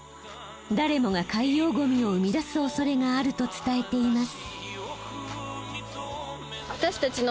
誰もが海洋ゴミを生み出すおそれがあると伝えています。